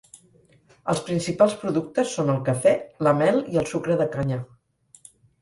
Els principals productes són el cafè, la mel i el sucre de canya.